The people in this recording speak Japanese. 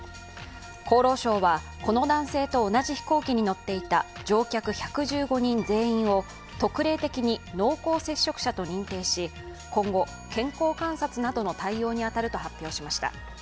厚労省はこの男性と同じ飛行機に乗っていた乗客１１５人全員を特例的に濃厚接触者と認定し今後、健康観察などの対応に当たると発表しました。